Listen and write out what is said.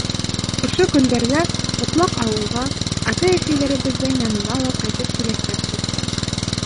Ошо көндәрҙә мотлаҡ ауылға, атай-әсәйҙәребеҙ янына ла ҡайтып киләсәкбеҙ.